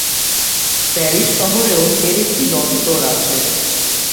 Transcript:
Paris শহরেও এর একটি দপ্তর আছে।